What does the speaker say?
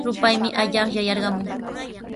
Rupaymi allaqlla yarqamun.